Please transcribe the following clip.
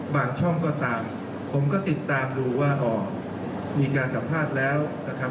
ช่องก็ตามผมก็ติดตามดูว่าอ๋อมีการสัมภาษณ์แล้วนะครับ